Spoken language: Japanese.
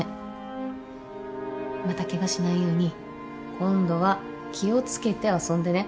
またケガしないように今度は気を付けて遊んでね。